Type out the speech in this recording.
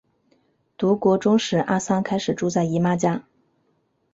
读国中时阿桑开始住在姨妈家。